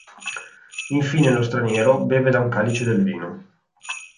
Infine lo straniero beve da un calice del vino.